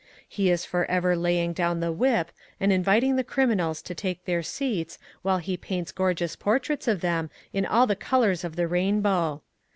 He is for ever laying down the whip and inviting the criminals to take their seats while he paints gorgeous portraits of them in all the colours of the rainbow.